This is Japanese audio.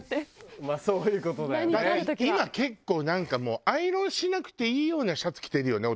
今結構なんかもうアイロンしなくていいようなシャツ着てるよね